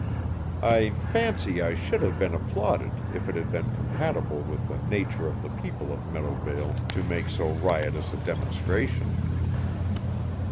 I fancy I should have been applauded if it had been compatible with the nature of the people of Meadowvale to make so riotous a demonstration.